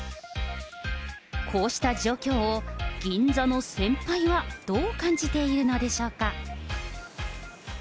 こうした状況を銀座の先輩は、どう感じているのでしょうか。